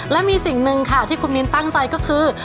และมีสิ่งหนึ่งค่ะที่คุณมินตั้งใจก็คือ